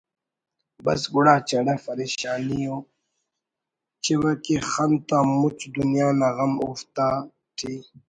بس گڑا چڑہ فریشان ءُ چوہ کہ خن تا مچ دنیا نا غم اوفتیاٹے